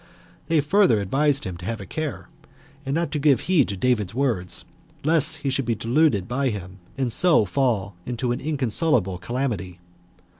They further advised him to have a care, and not to give heed to David's words, lest he should be deluded by him, and so fall into an inconsolable calamity.